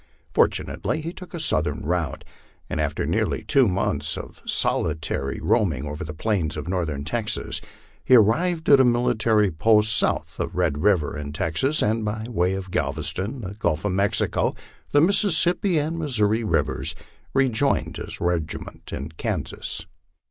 Fortunately he took a southerly route, and after nearly two months of solitary roaming over the plains of northern Texas, he arrived at a military post south of Red river in Texas, and by way of Galveston, the Gulf of Mexico, the Mississippi and Missouri rivers, rejoined his regiment in Kansas.